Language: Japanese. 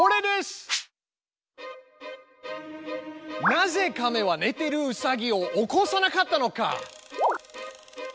なぜかめはねてるうさぎを起こさなかったのか。